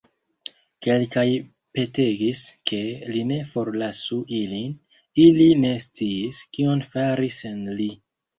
Kelkaj petegis, ke li ne forlasu ilin; ili ne sciis, kion fari sen li.